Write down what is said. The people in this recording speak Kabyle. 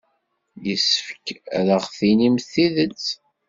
Yessefk ad aɣ-d-tinimt tidet.